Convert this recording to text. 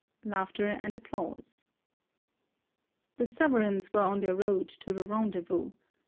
(Laughter and applause.) The sovereigns were on their road to the rendezvous.